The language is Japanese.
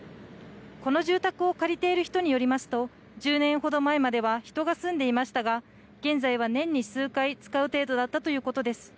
この住宅を借りている人によりますと１０年ほど前までは人が住んでいましたが現在は年に数回、使う程度だったということです。